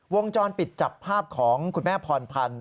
วงจรปิดจับภาพของคุณแม่พรพันธ์